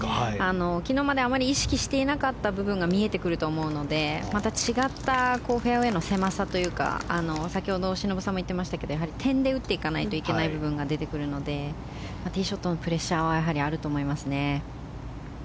昨日まではあまり意識していなかった部分が見えてくると思うのでまた違ったフェアウェーの狭さというか先ほどしのぶさんも言っていましたけど点で打っていかないといけない部分が出てくるのでティーショットのプレッシャーはあると思います。